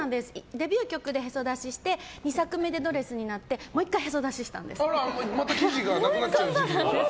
デビュー曲で、へそ出しして２作目でドレスになってもう１回へそ出ししたんです。